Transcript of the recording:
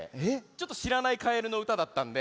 ちょっとしらない「かえるのうた」だったんで。